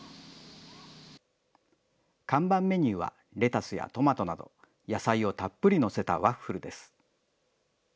看板メニューはレタスやトマトなど、野菜をたっぷり載せたワッフルです。